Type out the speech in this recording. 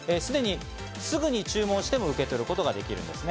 すぐに注文しても受け取ることができるんですね。